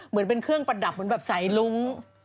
เหมือนเป็นเครื่องประดับเหมือนแบบสายลุ้ง